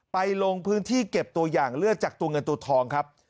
ลงพื้นที่เก็บตัวอย่างเลือดจากตัวเงินตัวทองครับ